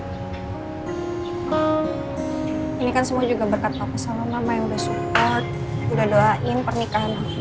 ini kan semua juga berkat papa sama mama yang udah support